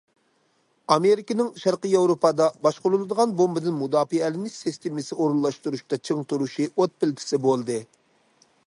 ئامېرىكىنىڭ شەرقىي ياۋروپادا باشقۇرۇلىدىغان بومبىدىن مۇداپىئەلىنىش سىستېمىسى ئورۇنلاشتۇرۇشتا چىڭ تۇرۇشى ئوت پىلتىسى بولدى.